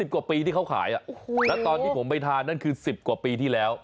กว่าปีที่เขาขายแล้วตอนที่ผมไปทานนั่นคือ๑๐กว่าปีที่แล้ว